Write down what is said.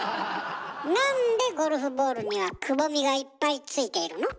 なんでゴルフボールにはくぼみがいっぱいついているの？